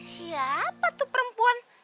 siapa tuh perempuan